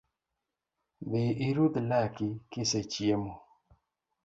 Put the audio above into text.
Dhi irudh laki kisechiemo